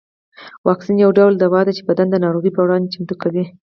واکسین یو ډول دوا ده چې بدن د ناروغیو پر وړاندې چمتو کوي